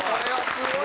すごい！